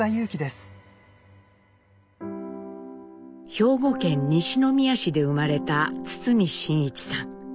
兵庫県西宮市で生まれた堤真一さん。